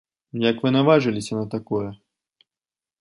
Як вы наважыліся на такое?